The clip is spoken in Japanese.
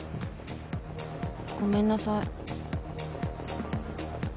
ごめんなさい。